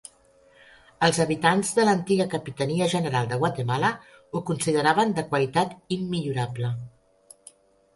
Els habitants de l'antiga Capitania General de Guatemala ho consideraven de qualitat immillorable.